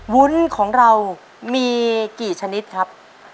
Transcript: วุ้นของเรามีกี่ชนิดครับ